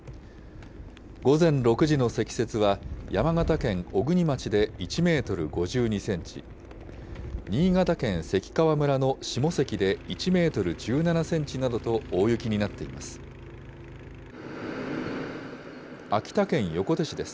午前６時の積雪は山形県小国町で１メートル５２センチ、新潟県関川村の下関で１メートル１７センチなどと大雪になっています。